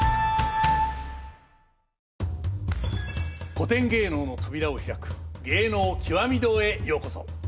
古典芸能の扉を開く「芸能きわみ堂」へようこそ！